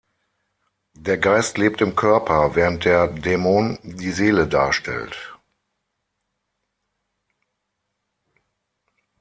Der Geist lebt im Körper, während der Dæmon die Seele darstellt.